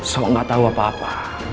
sok gak tahu apa apa